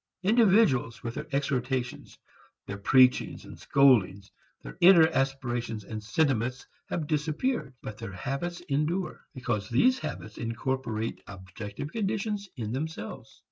Individuals with their exhortations, their preachings and scoldings, their inner aspirations and sentiments have disappeared, but their habits endure, because these habits incorporate objective conditions in themselves.